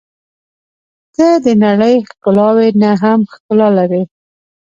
• ته د نړۍ ښکلاوې نه هم ښکلا لرې.